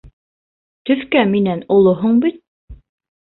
Төҫкә минән олоһоң бит!